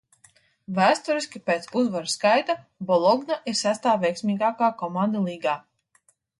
"Vēsturiski pēc uzvaru skaita "Bologna" ir sestā veiksmīgākā komanda līgā."